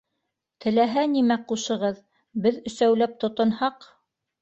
- Теләһә нимә ҡушығыҙ, беҙ өсәүләп тотонһаҡ...